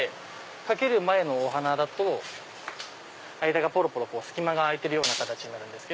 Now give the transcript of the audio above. かける前のお花だと間がぽろぽろ隙間が開いてるような形になるんです。